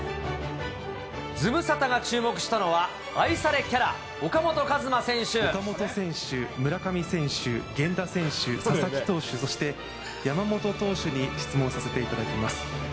ズムサタが注目したのは、岡本選手、村上選手、源田選手、佐々木投手、そして山本投手に質問させていただきます。